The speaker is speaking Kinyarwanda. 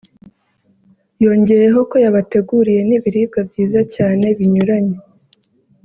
yongeyeho ko yabateguriye n’ibiribwa byiza cyane binyuranye